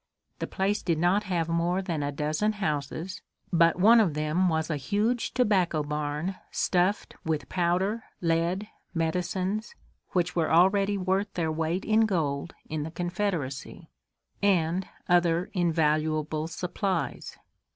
The place did not have more than a dozen houses, but one of them was a huge tobacco barn stuffed with powder, lead, medicines, which were already worth their weight in gold in the Confederacy, and other invaluable supplies.